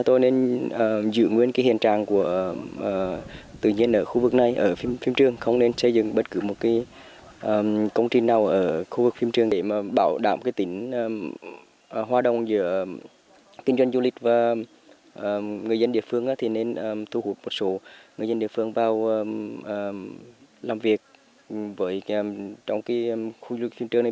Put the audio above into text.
tuy nhiên kinh doanh du lịch và người dân địa phương nên thu hút một số người dân địa phương vào làm việc trong khu du lịch phim trường này